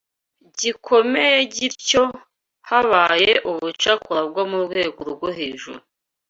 gikomeye gityo habaye ubucakura bwo mu rwego rwo hejuru